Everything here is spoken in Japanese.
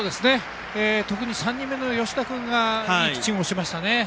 特に３人目の吉田君がいいピッチングをしましたね。